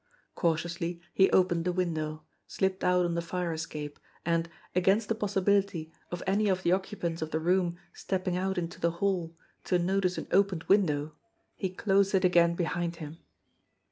Cautiously he opened the window, slipped out on the fire escape, and, against the possibility of any of the occupants of the room stepping out into the hall to notice an opened window, he closed it again behind him.